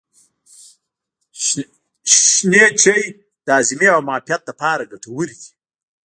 شنه چای د هاضمې او معافیت لپاره ګټور دی.